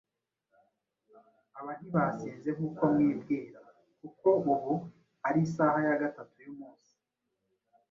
Aba ntibasinze nk’uko mwibwira, kuko ubu ari isaha ya gatatu y’umunsi;